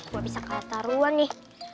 gue bisa kalah taruhan nih